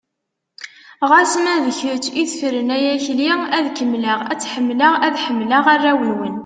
Ɣas ma d kečč i tefren ay Akli, ad kemmleɣ ad tt-ḥemmleɣ, ad ḥemmleɣ arraw-nwen.